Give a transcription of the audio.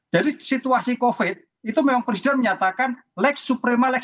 jadi situasi covid itu memang presiden menyatakan lex suprema lexi estu